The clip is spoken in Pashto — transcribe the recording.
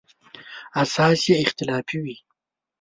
اساس یې اختلافي وي.